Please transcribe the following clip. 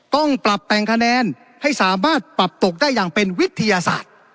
ต้องปรับแต่งคะแนนให้สามารถปรับตกได้อย่างเป็นวิทยาศาสตร์